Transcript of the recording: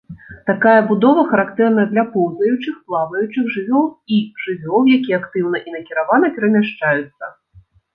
Такая будова характэрна для поўзаючых, плаваючых жывёл і жывёл, якія актыўна і накіравана перамяшчаюцца.